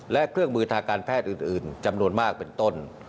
และเครื่องมือทางการแพทย์อื่นจำนวนมากเป็นต้น